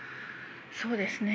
そうですね。